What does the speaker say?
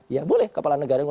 ya boleh kepala negara